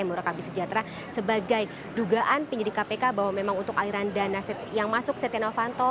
murakabi sejahtera sebagai dugaan penyidik kpk bahwa memang untuk aliran dana yang masuk setia novanto